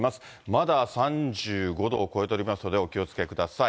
まだ３５度を超えておりますので、お気をつけください。